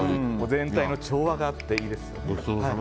全体の調和があっていいですよね。